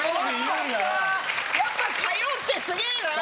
やっぱ火曜ってすげぇな！